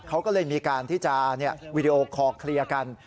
เขาก็เลยมีการที่จะวีดีโอคอลเคลียร์กัน